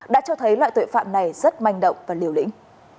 đã cho thấy loại tội phạm này rất manh động và liều lĩnh